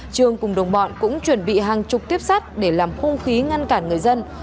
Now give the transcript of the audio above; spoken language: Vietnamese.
trương cùng đồng bọn cũng chuẩn bị hàng chục tiếp sát để làm khung khí ngăn cản người dân